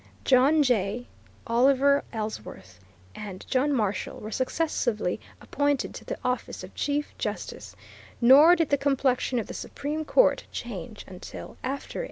John Jay, Oliver Ellsworth, and John Marshall were successively appointed to the office of Chief Justice, nor did the complexion of the Supreme Court change until after 1830.